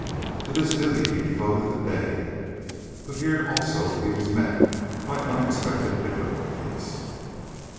To this duty he devoted the day; but here also he was met by unexpected difficulties.